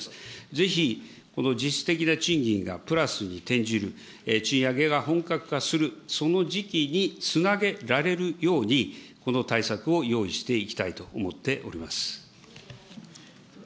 ぜひ、この実質的な賃金がプラスに転じる、賃上げが本格化する、その時期につなげられるように、この対策を用意していきたいと思っております。